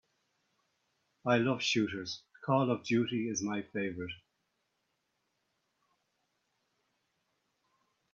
I love shooters, Call of Duty is my favorite.